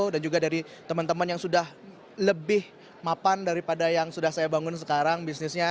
dan juga dari teman teman yang sudah lebih mapan daripada yang sudah saya bangun sekarang bisnisnya